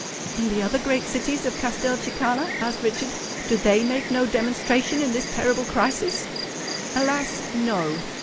"And the other great cities of Castelcicala?" asked Richard: "do they make no demonstration in this terrible crisis?" "Alas—no!